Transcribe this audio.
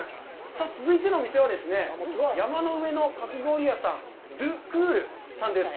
さあ、続いての店はですね、山の上のかき氷屋さん、ドゥクールさんです。